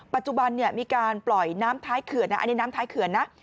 ปัจจุบันมีการปล่อยน้ำท้ายเขื่อนอันนี้น้ำท้ายเขื่อนนะ